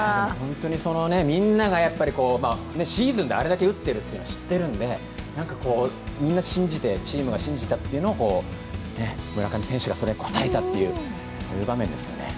みんながシーズンであれだけ打っているというのは知っているんでみんな信じて、チームが信じたというのを、村上選手がそれに応えたという場面ですよね。